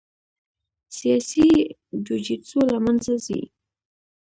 سیاسي جوجیتسو له منځه ځي.